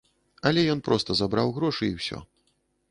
Але ён проста забраў грошы і ўсё.